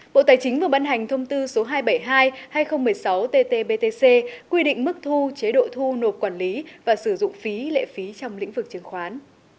bộ tài chính vừa ban hành thông tư số hai trăm bảy mươi hai hai nghìn một mươi sáu tt btc quy định mức thu chế độ thu nộp quản lý và sử dụng phí lệ phí trong lĩnh vực chứng khoán